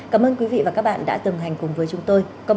cảm ơn quý vị và các bạn đã từng hành cùng với chúng tôi